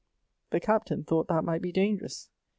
The Captain thought that might be dangerous.